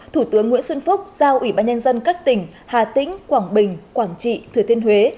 thủ tướng nguyễn xuân phúc giao ủy ban nhân dân các tỉnh hà tĩnh quảng bình quảng trị thừa thiên huế